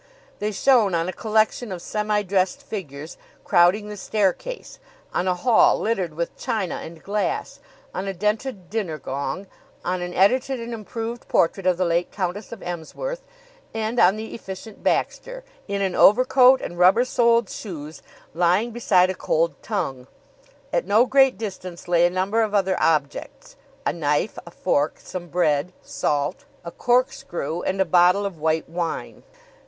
They shone on a collection of semi dressed figures, crowding the staircase; on a hall littered with china and glass; on a dented dinner gong; on an edited and improved portrait of the late Countess of Emsworth; and on the Efficient Baxter, in an overcoat and rubber soled shoes, lying beside a cold tongue. At no great distance lay a number of other objects a knife, a fork, some bread, salt, a corkscrew and a bottle of white wine.